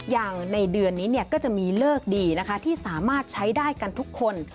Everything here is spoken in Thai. อย่างในเดือนนี้ก็จะมีเลิกดีนะคะที่สามารถใช้ได้กันทุกคน